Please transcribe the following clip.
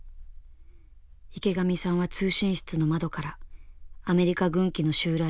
池上さんは通信室の窓からアメリカ軍機の襲来を目撃した。